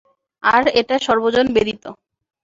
আর এটা সর্বজন বেদিত।